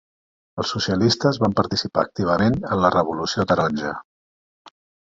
Els socialistes van participar activament en la Revolució Taronja.